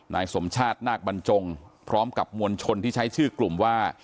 นายสมชาตินาคบรรจงพร้อมกับมวลชนที่ใช้ชื่อกลุ่มว่า